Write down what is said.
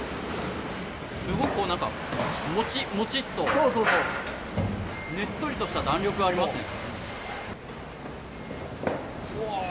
すごく、もちもちっとねっとりとした弾力がありますね。